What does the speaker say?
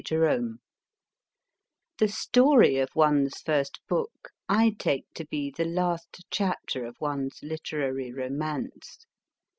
JEROME THE story of one s first book I take to be the last chapter of one s literary romance.